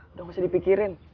udah gak usah dipikirin